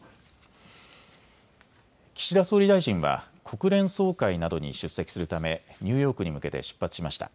岸田総理大臣は国連総会などに出席するためニューヨークに向けて出発しました。